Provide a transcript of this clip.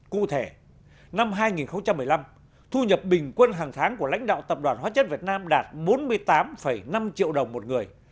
cụ thể năm hai nghìn một mươi năm thu nhập bình quân hàng tháng của lãnh đạo tập đoàn hóa chất việt nam đạt bốn mươi tám năm triệu đồng một người